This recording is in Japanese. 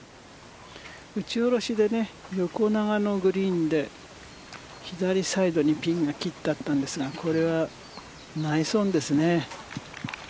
打ち下ろしで横長のグリーンで左サイドにピンが切ってあったんですがこれはナイスオンですね。